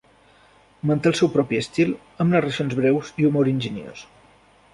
Manté el seu propi estil amb narracions breus i humor enginyós.